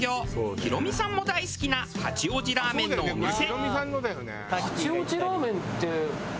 ヒロミさんも大好きな八王子ラーメンのお店。